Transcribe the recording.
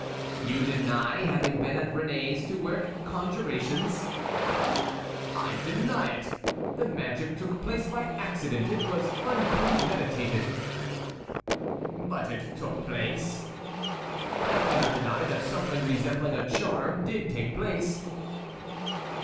"You deny having been at Réné's to work conjurations?" "I deny it. The magic took place by accident. It was unpremeditated." "But it took place?" "I cannot deny that something resembling a charm did take place."